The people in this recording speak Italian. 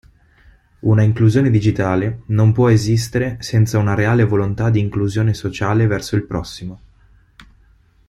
Una inclusione digitale non può esistere senza una reale volontà di inclusione sociale verso il prossimo.